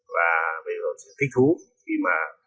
và thích thú khi mà